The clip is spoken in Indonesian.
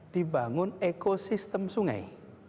dibangun ekosistem sungai